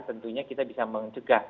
tentunya kita bisa mengecek